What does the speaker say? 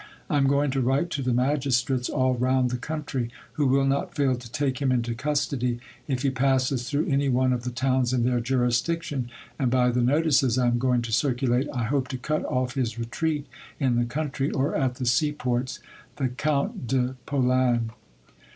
I am going to write to the magistrates all round the country, who will not fail to take him into custody, if he passes through any one of the towns in their jurisdiction, and by the notices I am going to circulate, I hope to cut off his retreat in the country or at the sea ports. — The Count de Polan."